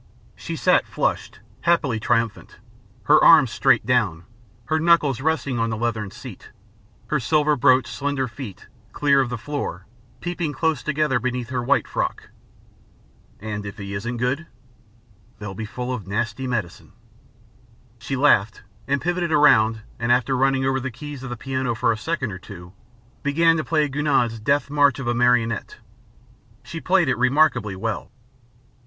She sat, flushed, happy, triumphant, her arms straight down, her knuckles resting on the leathern seat, her silver brocaded, slender feet, clear of the floor, peeping close together beneath her white frock. "And if he isn't good?" "They'll be full of nasty medicine." She laughed and pivoted round and, after running over the keys of the piano for a second or two, began to play Gounod's "Death March of a Marionette." She played it remarkably well.